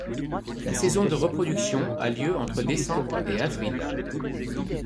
La saison de reproduction a lieu entre décembre et avril.